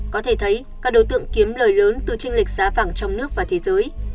có thể thấy các đối tượng kiếm lời lớn từ tranh lệch giá vàng trong nước và thế giới